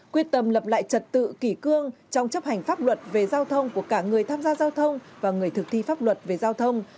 quyết tâm lập lại trật tự kỷ cương trong chấp hành pháp luật về giao thông của cả người tham gia giao thông và người thực thi pháp luật về giao thông